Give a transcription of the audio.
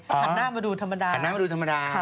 กลัวเปื้อนเว็บ